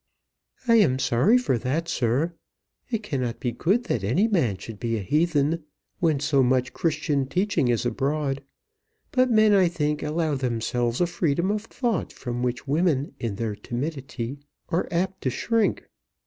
"I am sorry for that, sir. It cannot be good that any man should be a heathen when so much Christian teaching is abroad. But men I think allow themselves a freedom of thought from which women in their timidity are apt to shrink.